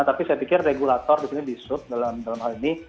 tapi saya pikir regulator di sini di sub dalam hal ini